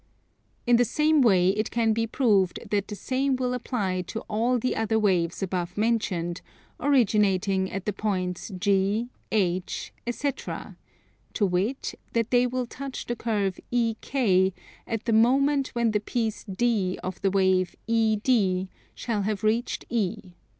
In the same way it can be proved that the same will apply to all the other waves above mentioned, originating at the points G, H, etc.; to wit, that they will touch the curve EK at the moment when the piece D of the wave ED shall have reached E.